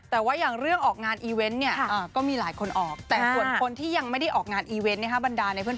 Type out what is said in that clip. แล้วก็ต้องแฟนตอบคำถามไม่รู้จะเลี่ยงบ้างหรือไม่รู้จะตอบตรง